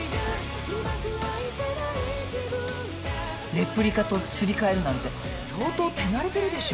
レプリカとすり替えるなんて相当手慣れてるでしょ？